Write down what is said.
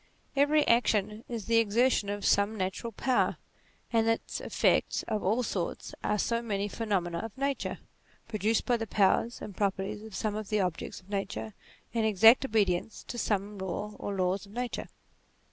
Every action is the exertion of some natural power, and its effects of all sorts are so many phenomena of nature, produced by the powers and properties of some of the objects of nature, in exact obedience to some law or laws of nature.